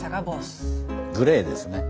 グレーですね。